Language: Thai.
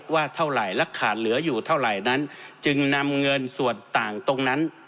ว่าเท่าไหร่และขาดเหลืออยู่เท่าไหร่นั้นจึงนำเงินส่วนต่างตรงนั้น